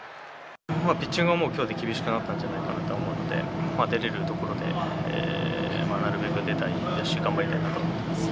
ピッチングは、きょうで厳しくなったんじゃないかなと思うので、出れるところでなるべく出たいし、頑張りたいなと思っています。